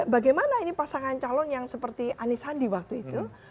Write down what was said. bagaimana ini pasangan calon yang seperti anisandi waktu itu